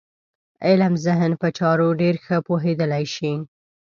علم ذهن په چارو ډېر ښه پوهېدلی شي.